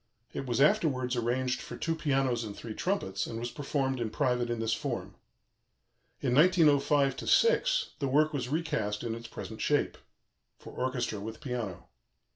It was afterwards arranged for two pianos and three trumpets, and was performed in private in this form. In 1905 6 the work was recast in its present shape for orchestra with piano.